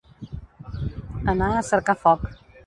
Anar a cercar foc.